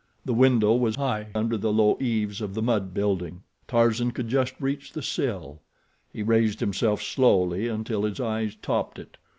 The window was high under the low eaves of the mud building. Tarzan could just reach the sill. He raised himself slowly until his eyes topped it.